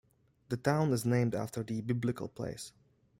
The town is named after the biblical place.